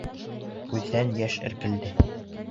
Күҙҙән йәш эркелде...